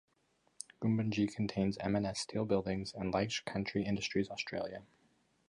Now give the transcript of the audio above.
Goombungee contains M and S Steel Buildings, and Leicht's Country Industries Australia.